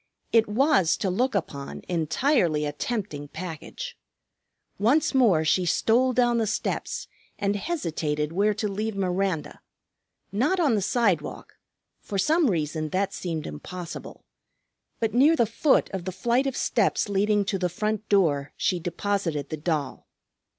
It was, to look upon, entirely a tempting package. Once more she stole down the steps and hesitated where to leave Miranda: not on the sidewalk, for some reason that seemed impossible. But near the foot of the flight of steps leading to the front door she deposited the doll.